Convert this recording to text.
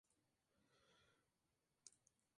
El lago pierde por evaporación casi un metro cada año.